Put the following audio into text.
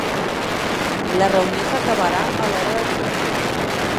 La reunió s'acabarà a l'hora de dinar.